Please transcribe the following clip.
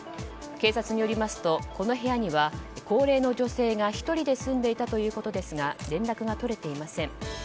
警察によりますとこの部屋には高齢の女性が１人で住んでいたということですが連絡が取れていません。